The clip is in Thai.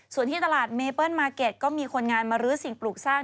ส่วนที่ตลาดเมเปิ้ลมาร์เก็ตก็มีคนงานมารื้อสิ่งปลูกสร้าง